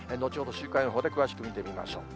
週間予報で詳しく見てみましょう。